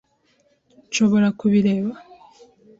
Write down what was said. Nshobora kubireba?